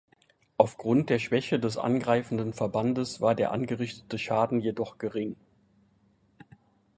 Aufgrund der Schwäche des angreifenden Verbandes war der angerichtete Schaden jedoch gering.